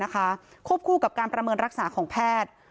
ควบคู่กับการประเมินรักษาของแพทย์